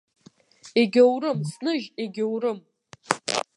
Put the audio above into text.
Егьоурым, сныжь, егьоурым.